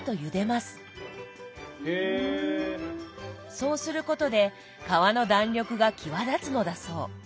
そうすることで皮の弾力が際立つのだそう。